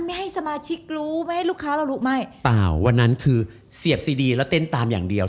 ไม่ให้สมาชิกรู้ไม่ให้ลูกค้าเรารู้ไม่เปล่าวันนั้นคือเสียบซีดีแล้วเต้นตามอย่างเดียว